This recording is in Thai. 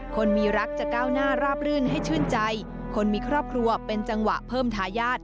คนมีรักจะก้าวหน้าราบรื่นให้ชื่นใจคนมีครอบครัวเป็นจังหวะเพิ่มทายาท